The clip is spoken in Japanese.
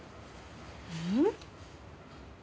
うん？